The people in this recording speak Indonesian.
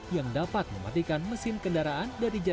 yang dapat mematikan mesin kendaraan dan digunakan